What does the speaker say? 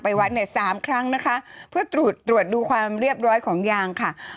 ไปวัฒน์นี่๓ครั้งนะคะเพื่อตรวจดูความเรียบร้อยของยางค่ะ